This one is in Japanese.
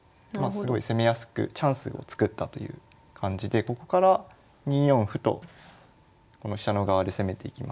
すごい攻めやすくチャンスを作ったという感じでここから２四歩とこの飛車の側で攻めていきます。